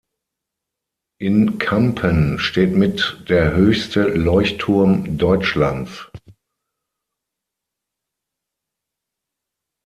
In Campen steht mit der höchste Leuchtturm Deutschlands.